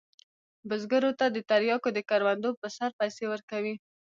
بزګرو ته د تریاکو د کروندو پر سر پیسې ورکوي.